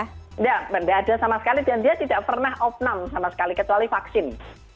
tidak tidak ada sama sekali dan dia tidak pernah opnam sama sekali kecuali vaksin